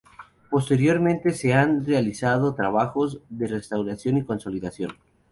Posteriormente se han realizado trabajos de restauración y consolidación.